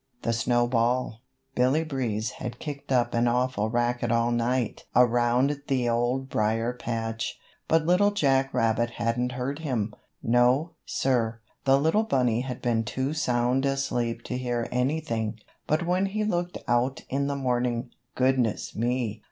THE SNOWBALL BILLY BREEZE had kicked up an awful racket all night around the Old Briar Patch, but Little Jack Rabbit hadn't heard him. No, sir. The little bunny had been too sound asleep to hear anything, but when he looked out in the morning, goodness me!